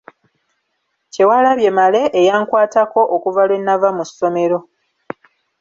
Kyewalabye Male eyankwatako okuva lwe nava mu ssomero.